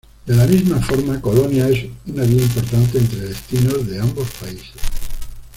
De la misma forma, Colonia es una vía importante entre destinos de ambos países.